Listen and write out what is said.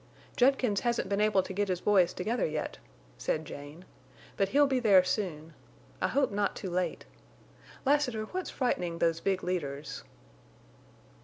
"Judkins hasn't been able to get his boys together yet," said Jane. "But he'll be there soon. I hope not too late. Lassiter, what's frightening those big leaders?"